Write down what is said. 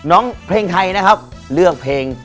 น้องเพลงไทยนะครับเลือกเพลง